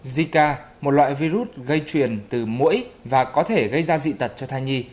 zika một loại virus gây truyền từ mũi và có thể gây ra dị tật cho thai nhi